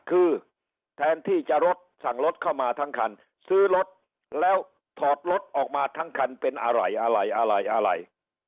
คือแทนที่จะรถสั่งรถเข้ามาทั้งคันซื้อรถแล้วถอดรถออกมาทั้งคันเป็นอะไรอะไรอะไรอะไร